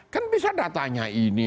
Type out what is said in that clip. kan bisa datanya ini